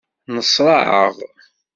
Nneṣṛaɛeɣ.